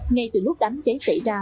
ngay từ lúc đám cháy cháy